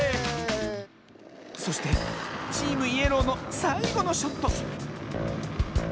そしてチームイエローのさいごのショット